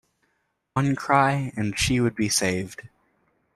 One cry, and she would be saved.